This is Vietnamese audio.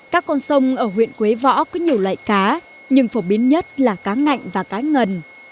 các con sông ở huyện quế võ có nhiều loại cá nhưng phổ biến nhất là cá ngạnh và cá ngần